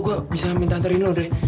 gue bisa minta hantarin lo drek